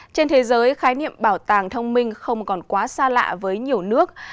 trên thế giới khái niệm bảo tàng thông minh không còn quá xa lạ với nhiều nước